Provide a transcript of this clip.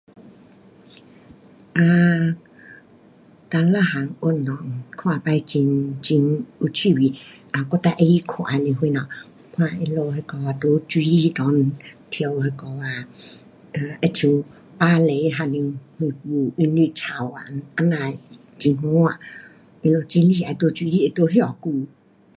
啊，哪一样运动，看起很，很有趣味，啊，我最喜欢看的是什么？看他们那个啊在水里内跳那个啊，好像芭蕾还是什韵律操啊，这样的很好看。因为很厉害，在水里会待这么久。